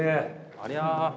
ありゃ。